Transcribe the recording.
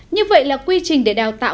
như vậy là quy trình để đào tạo